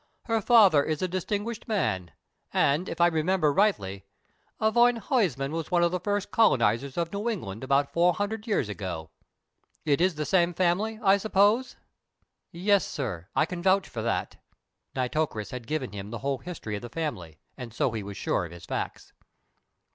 Her father is a distinguished man, and, if I remember rightly, a Van Huysman was one of the first colonisers of New England about four hundred years ago. It is the same family, I suppose?" "Yes, sir; I can vouch for that." Nitocris had given him the whole history of the family, and so he was sure of his facts.